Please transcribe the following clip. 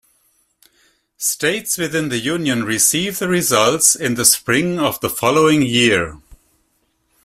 States within the Union receive the results in the spring of the following year.